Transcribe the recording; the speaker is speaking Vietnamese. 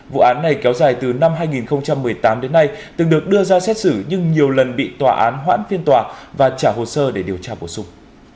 vụ án này kéo dài từ năm hai nghìn một mươi tám đến nay từng được đưa ra xét xử nhưng nhiều lần bị tòa án hoãn phiên tòa và trả hồ sơ để điều tra bổ sung